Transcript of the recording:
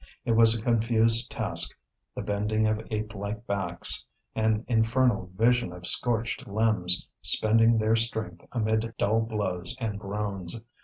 It was a confused task, the bending of ape like backs, an infernal vision of scorched limbs, spending their strength amid dull blows and groans.